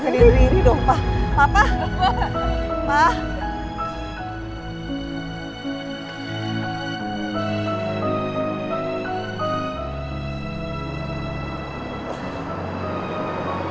sama sama dengan kamu sama andi